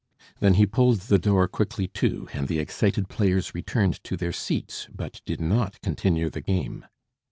Then he pulled the door quickly to, and the excited players returned to their seats, but did not continue the game.